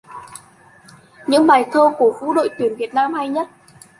Những bài thơ cổ vũ đội tuyển Việt Nam hay nhất